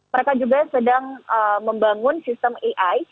mereka juga sedang membangun sistem ai